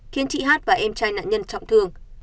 khiến chị hát và em trai nạn nhân trọng thương